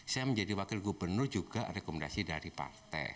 saya menjadi wakil gubernur juga rekomendasi dari partai